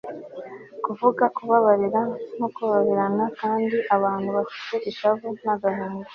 kuvuga kubabarira no koroherana kandi abantu bafite ishavu n agahinda